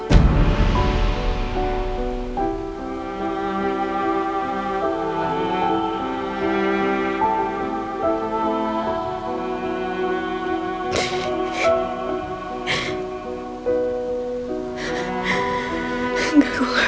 apa emang udah